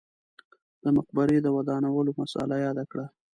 د مقبرې د ودانولو مسئله یاده کړه.